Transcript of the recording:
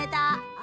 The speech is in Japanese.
あ！